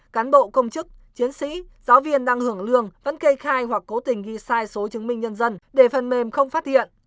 cán bộ công chức chiến sĩ giáo viên đang hưởng lương vẫn kê khai hoặc cố tình ghi sai số chứng minh nhân dân để phần mềm không phát hiện